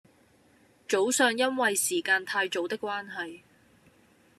早上因為時間太早的關係